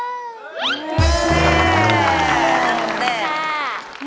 นั่นแหละ